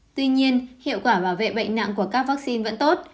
tuy nhiên hiệu quả bảo vệ bệnh nặng của các vaccine vẫn tốt